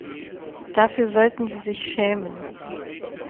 Dafür sollten sie sich schämen.